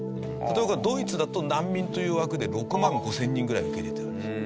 例えばドイツだと難民という枠で６万５０００人ぐらい受け入れてるんですよ。